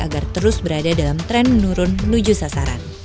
agar terus berada dalam tren menurun menuju sasaran